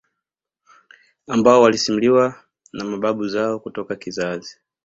ambao walisimuliwa na mababu zao kutoka kizazi